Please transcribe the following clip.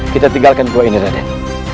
kita tinggalkan duanya raden